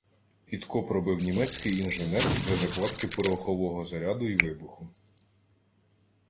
Підкоп робив німецький інженер для закладки порохового заряду й вибуху